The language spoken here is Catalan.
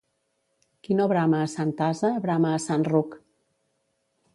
Qui no brama a sant ase, brama a sant ruc.